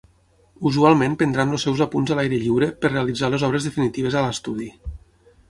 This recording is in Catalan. Usualment prendran els seus apunts a l'aire lliure per realitzar les obres definitives a l'estudi.